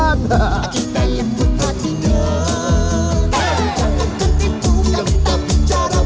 jangan pelan pelan tak berhenti